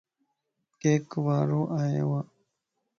ڪيڪ وارو آيووَ